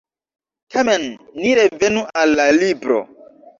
Tamen ni revenu al la libro.